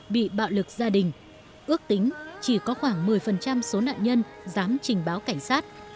bị bạo lực gia đình ước tính chỉ có khoảng một mươi số nạn nhân dám trình báo cảnh sát